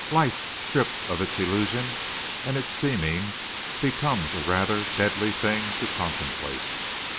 Life stripped of its illusion and its seeming becomes a rather deadly thing to contemplate.